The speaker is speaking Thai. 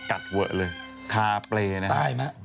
กัดเวอะเลยทาเปรย์นะตายมา